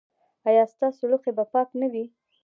ایا ستاسو لوښي به پاک نه وي؟